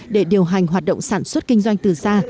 để điều hành hoạt động sản xuất kinh doanh từ xa